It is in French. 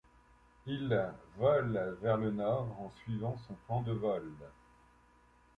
Il vole vers le nord, en suivant son plan de vol.